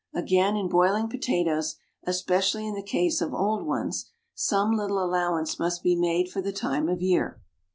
Again, in boiling potatoes, especially in the case of old ones, some little allowance must be made for the time of year.